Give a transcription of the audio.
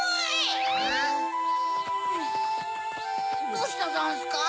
・どうしたざんすか？